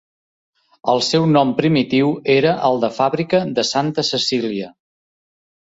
El seu nom primitiu era el de fàbrica de Santa Cecília.